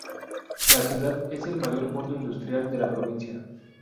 La ciudad es el mayor punto industrial de la provincia.